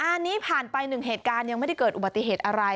อันนี้ผ่านไปหนึ่งเหตุการณ์ยังไม่ได้เกิดอุบัติเหตุอะไร